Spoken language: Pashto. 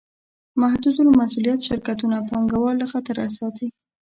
محدودالمسوولیت شرکتونه پانګهوال له خطره ساتي.